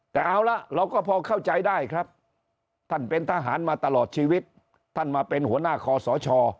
แต่เอาละเราก็พอเข้าใจได้ครับท่านเป็นทหารมาตลอดชีวิตท่านมาเป็นหัวหน้าคอสช